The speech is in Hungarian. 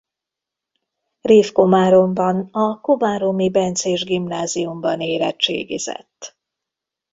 Révkomáromban a Komáromi Bencés Gimnáziumban érettségizett.